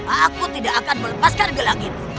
aku tidak akan melepaskanmu